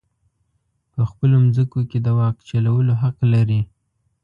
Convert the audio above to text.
په خپلو مځکو کې د واک چلولو حق لري.